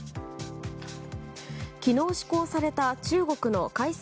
昨日、施行された中国の改正